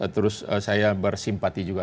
terus saya bersimpati juga